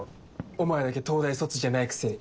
お前だけ東大卒じゃないくせに。